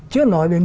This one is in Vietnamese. chưa nói đến